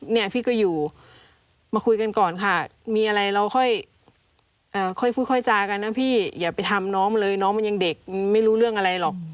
เนี่ยพี่ก็อยู่มาคุยกันก่อนค่ะมีอะไรเราค่อยพูดค่อยจากันนะพี่อย่าไปทำน้องมันเลยน้องมันยังเด็กไม่รู้เรื่องอะไรหรอก